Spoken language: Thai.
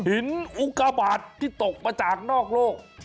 หินอุกระบาทที่ตกมาจากนอกโรค